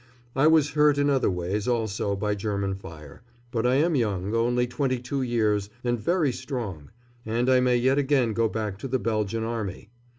I was hurt in other ways also by German fire; but I am young only twenty two years and very strong, and I may yet again go back to the Belgian Army.